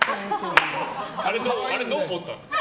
あれ、どう思ったんですか？